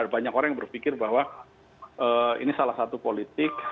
banyak orang yang berpikir bahwa ini salah satu politik